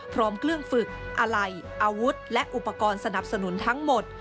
พร้อมเครื่องฝึกอะไหล่อาวุธและอุปกรณ์สนับสนุนทั้งหมด